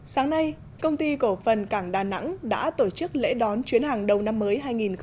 sáng nay công ty cổ phần cảng đà nẵng đã tổ chức lễ đón chuyến hàng đầu năm mới hai nghìn hai mươi